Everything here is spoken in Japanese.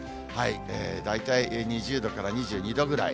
大体２０度から２２度ぐらい。